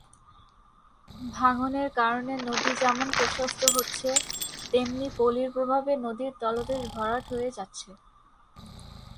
ভাঙনের কারণে নদী যেমন প্রশস্ত হচ্ছে, তেমনি পলির প্রভাবে নদীর তলদেশ ভরাট হয়ে যাচ্ছে।